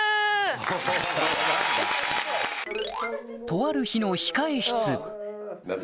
とある日の控室何？